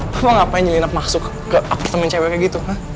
papa ngapain nyelinap masuk ke apartemen ceweknya gitu